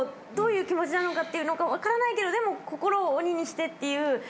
どういう気持ちなのか分からないけど心を鬼にしてっていう。